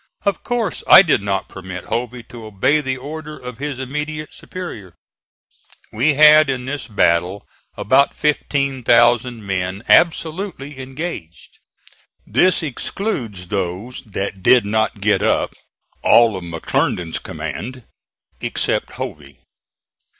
Of course I did not permit Hovey to obey the order of his intermediate superior. We had in this battle about 15,000 men absolutely engaged. This excludes those that did not get up, all of McClernand's command except Hovey.